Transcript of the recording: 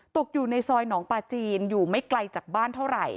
ตกอยู่ในซอยหนองปลาจีนอยู่ไม่ไกลจากบ้านเท่าไหร่